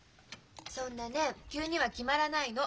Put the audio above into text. そんなね急には決まらないの。